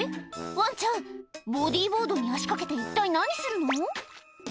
ワンちゃんボディーボードに足かけて一体何するの？